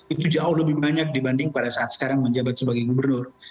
itu jauh lebih banyak dibanding pada saat sekarang menjabat sebagai gubernur